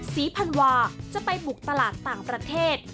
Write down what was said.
ศรีพันวาจะไปบุกตลาดต่างประเทศ